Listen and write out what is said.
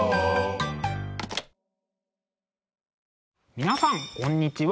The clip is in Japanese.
☎皆さんこんにちは。